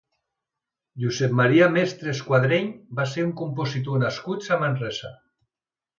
Josep Maria Mestres Quadreny va ser un compositor nascut a Manresa.